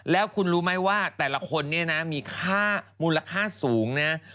แล้วคุณรู้มั้ยว่าแต่ละคนนี้นะมีค่ามูลค่าสูงเนี่ย